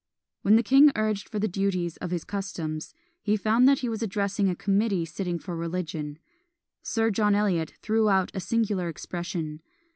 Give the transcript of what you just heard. When the king urged for the duties of his customs, he found that he was addressing a committee sitting for religion. Sir John Eliot threw out a singular expression.